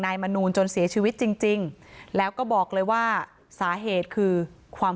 มนูลจนเสียชีวิตจริงแล้วก็บอกเลยว่าสาเหตุคือความ